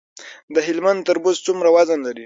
د هلمند تربوز څومره وزن لري؟